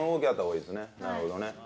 なるほどね。